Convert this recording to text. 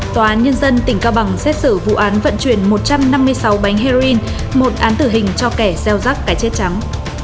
tòa án nhân dân tỉnh cao bằng xét xử vụ án vận chuyển một trăm năm mươi sáu bánh heroin một án tử hình cho kẻ gieo rắc cá chết trắng